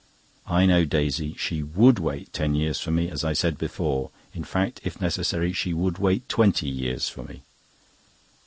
I know Daisy. She would wait ten years for me, as I said before; in fact, if necessary, she would wait twenty years for me."